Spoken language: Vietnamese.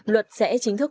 luật sẽ chính thức